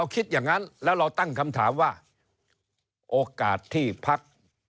คำถามว่าโอกาสที่พัก